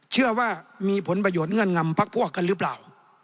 เชื่อว่ามีผลประโยชน์เงื่อนงำพักพวกกันหรือเปล่า